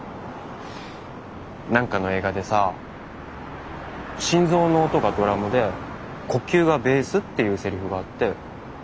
何かの映画でさ心臓の音がドラムで呼吸がベースっていうセリフがあって。